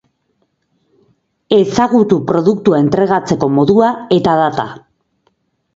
Ezagutu produktua entregatzeko modua eta data.